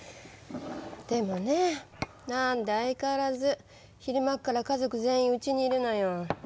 でもね何で相変わらず昼間っから家族全員うちにいるのよ。